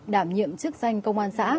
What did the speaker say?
đảm nhiệm chức danh công an xã